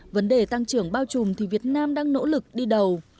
vấn đề tăng trưởng bao trùm thì việt nam đang nỗ lực đi đầu